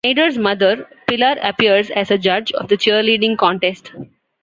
Schneider's mother Pilar appears as a judge of the cheerleading contest.